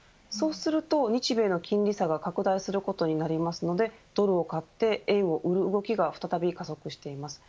そうすると日米の金利差が拡大することによりドルを買って円を売る動きが再び加速しています。